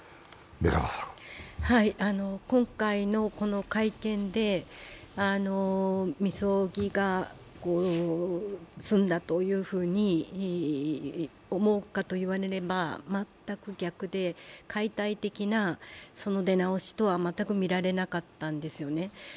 今回のこの会見でみそぎが済んだと思うかといわれれば全く逆で、解体的な出直しとは全く見られなかったんですよね。